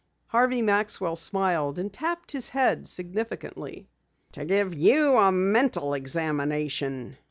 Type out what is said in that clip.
Harvey Maxwell smiled and tapped his head significantly. "To give you a mental examination.